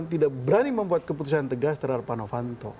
tidak berani membuat keputusan tegas terhadap anofanto